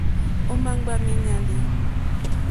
Ò ma ŋgba miinyali?